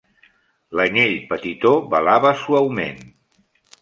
L'anyell petitó belava suaument.